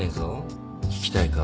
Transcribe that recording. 聞きたいか？